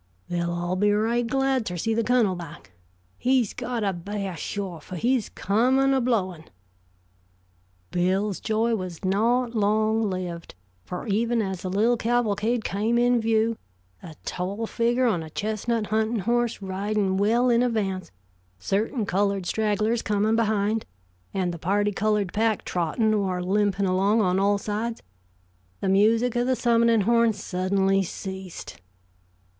They'll all be right glad ter see the Cunnel back. He's got a b'ah shore, fer he's comin' a blowin'." Bill's joy was not long lived, for even as the little cavalcade came in view, a tall figure on a chestnut hunting horse riding well in advance, certain colored stragglers coming behind, and the party colored pack trotting or limping along on all sides, the music of the summoning horn suddenly ceased.